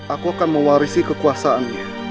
aku akan mewarisi kekuasaannya